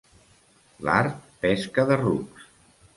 L'art, pesca de rucs.